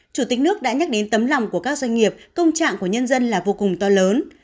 chủ tịch nước đã nhắc đến tấm lòng của các doanh nghiệp công trạng của nhân dân là vô cùng to lớn